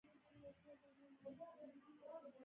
دلته ګڼ شمېر مریان اوسېدل